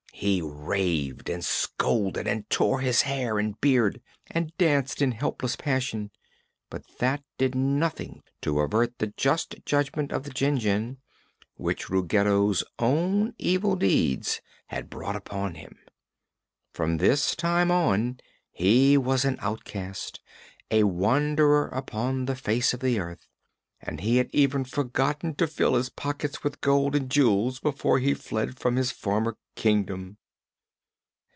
He raved and scolded and tore his hair and beard, and danced in helpless passion, but that did nothing to avert the just judgment of the Jinjin, which Ruggedo's own evil deeds had brought upon him. From this time on he was an outcast a wanderer upon the face of the earth and he had even forgotten to fill his pockets with gold and jewels before he fled from his former Kingdom!